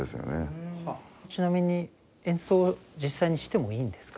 ちなみに演奏実際にしてもいいんですか？